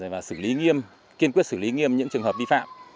và kiên quyết xử lý nghiêm những trường hợp vi phạm